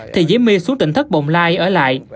thì diễm my xuống tỉnh thất bồng lai ở lại